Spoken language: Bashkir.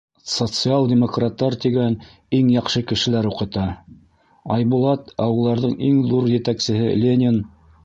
— Социал-демократтар тигән иң яҡшы кешеләр уҡыта, Айбулат, ә уларҙың иң ҙур етәксеһе Ленин...